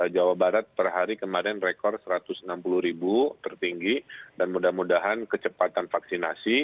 jawa barat per hari kemarin rekor satu ratus enam puluh ribu tertinggi dan mudah mudahan kecepatan vaksinasi